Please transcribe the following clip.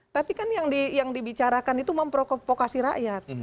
tapi kan yang dibicarakan itu memprovokasi rakyat